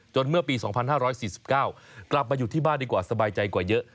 เมื่อปี๒๕๔๙กลับมาอยู่ที่บ้านดีกว่าสบายใจกว่าเยอะ